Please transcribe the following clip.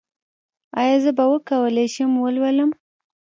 ایا زه به وکولی شم ولولم؟